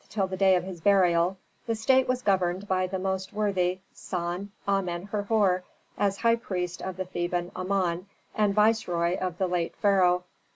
till the day of his burial the state was governed by the most worthy San Amen Herhor as high priest of the Theban Amon, and viceroy of the late pharaoh.